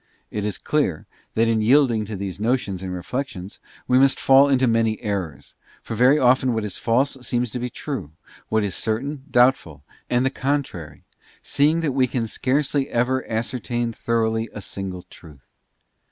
It is clear, that in yielding to these notions and reflections, we must fall into many errors; for very often what is false seems to be true, what is certain, doubtful, and the contrary; seeing that we can scarcely ever ascertain _ thoroughly a single truth.